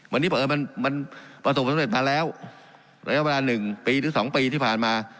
วันนี้เพราะเอิญมันประสบสำเร็จมาแล้วระยะเวลา๑ปีหรือ๒ปีที่ผ่านมา